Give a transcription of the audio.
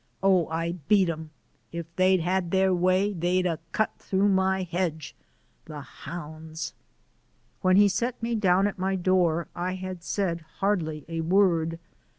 Oh, I beat 'em. If they'd had their way, they'd 'a' cut through my hedge the hounds!" When he set me down at my door, I had said hardly a word.